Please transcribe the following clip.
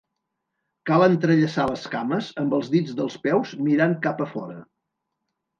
Cal entrellaçar les cames, amb els dits dels peus mirant cap a fora.